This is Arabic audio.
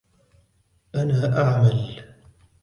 أنا أعمل.